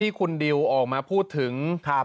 ที่คุณดิวออกมาพูดถึง